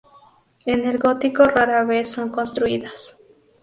En el gótico rara vez son construidas.